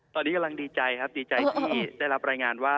ตอนนี้กำลังดีใจครับดีใจที่ได้รับรายงานว่า